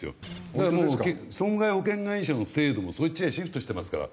だから損害保険会社の制度もそっちへシフトしてますから。